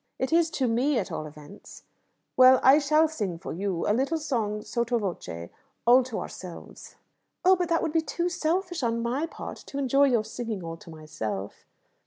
"It is to me, at all events." "Well, I shall sing for you; a little song sotto voce, all to ourselves." "Oh, but that would be too selfish on my part, to enjoy your singing all to myself."